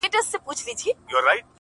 چي پاتېږي له نسلونو تر نسلونو؛؛!